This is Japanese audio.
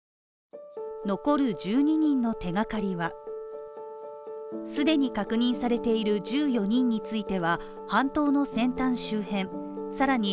残る１２人の手がかりは既に確認されている１４人については、半島の先端周辺さらに